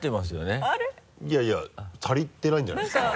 いやいや足りてないんじゃないですか？